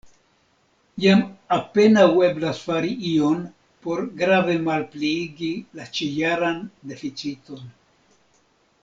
Jam apenaŭ eblas fari ion por grave malpliigi la ĉi-jaran deficiton.